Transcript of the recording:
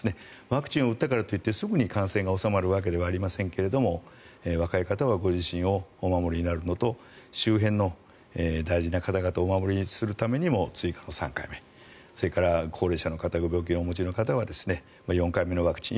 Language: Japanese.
ワクチンを打ったからといってすぐに感染が収まるわけではありませんが若い方はご自身をお守りになるのと周辺の大事な方々をお守りするためにも追加の３回それから高齢者と病気をお持ちの方は４回目のワクチン。